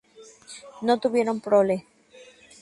No tuvieron prole.